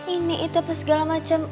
ini itu apa segala macam